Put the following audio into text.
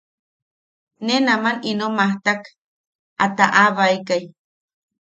Ne aman ino majtak a taʼabaekai.